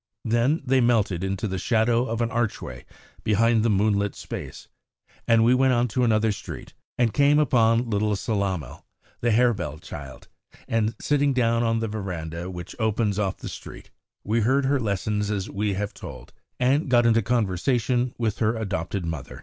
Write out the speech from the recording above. Then they melted into the shadow of an archway behind the moonlit space, and we went on to another street and came upon little Sellamal, the harebell child; and, sitting down on the verandah which opens off the street, we heard her lessons as we have told, and got into conversation with her adopted mother.